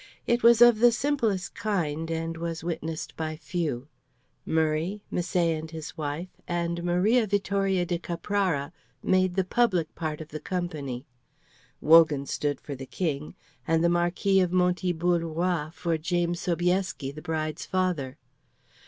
It was of the simplest kind and was witnessed by few. Murray, Misset and his wife, and Maria Vittoria de Caprara made the public part of the company; Wogan stood for the King; and the Marquis of Monti Boulorois for James Sobieski, the bride's father.